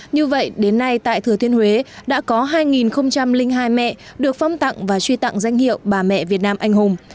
như vậy đến nay tại thừa thiên huế đã có hai hai mẹ được phong tặng và truy tặng danh hiệu bà mẹ việt nam anh hùng